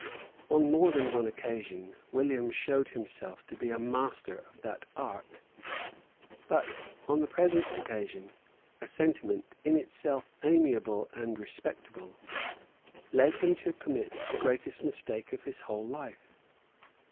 On more than one occasion William showed himself a master of that art. But, on the present occasion, a sentiment, in itself amiable and respectable, led him to commit the greatest mistake of his whole life.